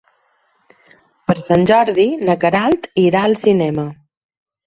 Per Sant Jordi na Queralt irà al cinema.